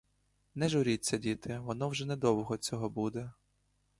Не журіться діти, воно вже не довго цього буде.